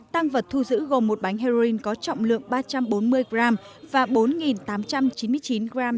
tăng vật thu giữ gồm một bánh heroin có trọng lượng ba trăm bốn mươi g và bốn tám trăm chín mươi chín g